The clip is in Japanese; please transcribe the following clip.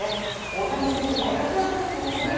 大谷選手、大活躍ですね。